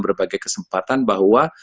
berbagai kesempatan bahwa